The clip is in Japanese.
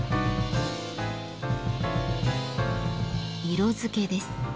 色付けです。